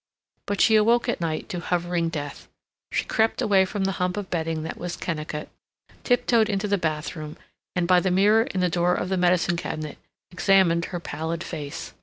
But she awoke at night to hovering death. She crept away from the hump of bedding that was Kennicott; tiptoed into the bathroom and, by the mirror in the door of the medicine cabinet, examined her pallid face.